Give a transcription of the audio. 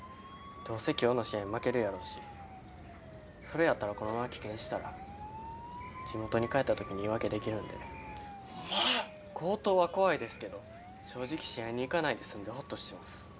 どうせ今日の試合負けるやろうしそれやったらこのまま棄権したらジモトに帰った時に言い訳できるんでお前強盗は怖いですけど正直試合に行かないで済んでほっとしてます